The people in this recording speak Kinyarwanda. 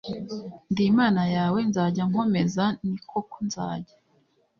Ndi imana yawe nzajya ngukomeza ni koko nzajya